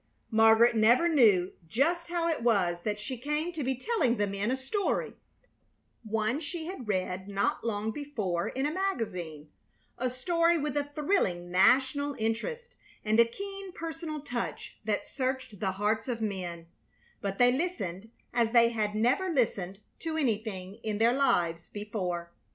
Margaret never knew just how it was that she came to be telling the men a story, one she had read not long before in a magazine, a story with a thrilling national interest and a keen personal touch that searched the hearts of men; but they listened as they had never listened to anything in their lives before.